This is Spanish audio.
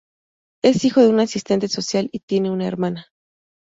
Es hijo de un asistente social y tiene una hermana.